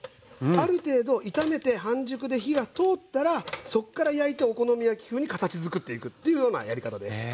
ある程度炒めて半熟で火が通ったらそっから焼いてお好み焼き風に形づくっていくというようなやり方です。